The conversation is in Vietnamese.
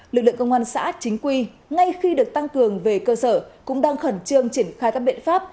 lực lượng công an xã chính quy ngay khi được tăng cường về cơ sở cũng đang khẩn trương triển khai các biện pháp